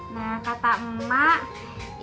nah kata emak